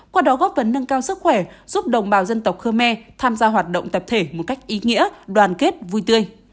qua đó góp vấn nâng cao sức khỏe giúp đồng bào dân tộc khơ me tham gia hoạt động tập thể một cách ý nghĩa đoàn kết vui tươi